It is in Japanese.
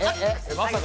まさか。